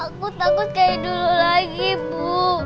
takut takut kayak dulu lagi bu